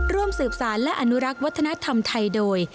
ร่วมสืบสารและอนุรักษ์วัฒนธรรมไทยโดย